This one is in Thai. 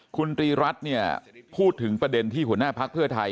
คุณตรีรัฐเนี่ยพูดถึงประเด็นที่หัวหน้าพักเพื่อไทย